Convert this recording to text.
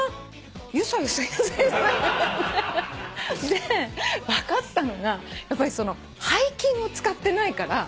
で分かったのがやっぱり背筋を使ってないから。